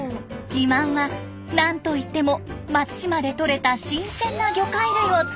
自慢は何といっても松島でとれた新鮮な魚介類を使った料理。